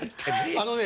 あのね。